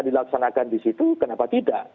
dilaksanakan disitu kenapa tidak